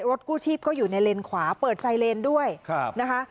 กู้ชีพก็อยู่ในเลนขวาเปิดไซเลนด้วยนะคะ